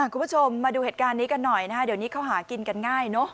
คุณผู้ชมมาดูเหตุการณ์นี้กันหน่อยนะฮะเดี๋ยวนี้เขาหากินกันง่ายเนอะ